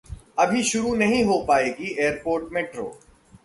अभी शुरू नहीं हो पाएगी एयरपोर्ट मेट्रो